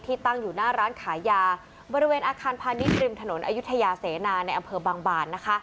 ตั้งอยู่หน้าร้านขายยาบริเวณอาคารพาณิชย์ริมถนนอายุทยาเสนาในอำเภอบางบาน